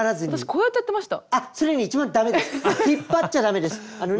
こうやってやってました